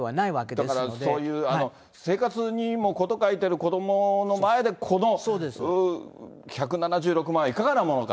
だからそういう生活にも事欠いてる子どもの前でこの１７６万円、いかがなものか。